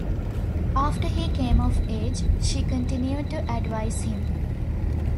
After he came of age, she continued to advise him.